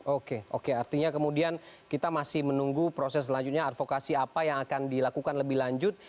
oke oke artinya kemudian kita masih menunggu proses selanjutnya advokasi apa yang akan dilakukan lebih lanjut